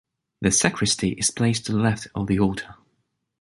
The sacristy is placed to the left of the altar.